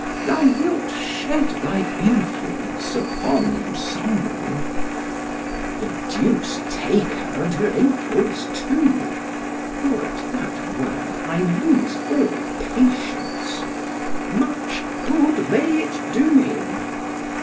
thou wilt shed thy influence upon some one—— ——The duce take her and her influence too——for at that word I lose all patience——much good may it do him!